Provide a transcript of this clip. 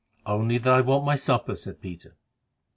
"Only that I want my supper," said Peter.